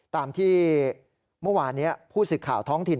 ตามที่เมื่อวานผู้สิทธิ์ข่าวท้องถิ่น